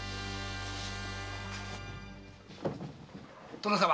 殿様。